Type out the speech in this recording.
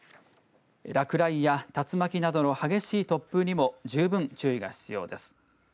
落雷や竜巻などの激しい突風にも十分注意が必要です。